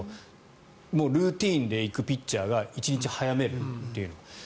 もうルーチンで行くピッチャーが１日早めるというのは。